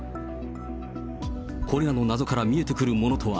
これらの謎から見えてくるものとは。